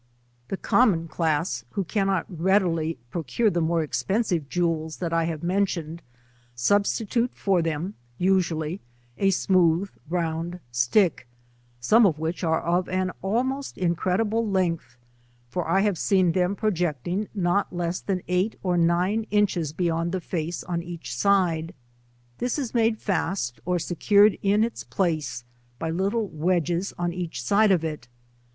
The common class who cannot readily procure the more expensive jewels that 1 have mentioned, substitute for them, usually, a smooth round stick, some of which are of an almost incredible length, for I have seen them projecting not less than eight or nine inches beyond the face oa each side; this is made fast, or secured in its place by little wedges on each side of it.